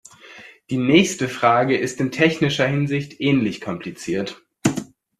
Die nächste Frage ist in technischer Hinsicht ähnlich kompliziert.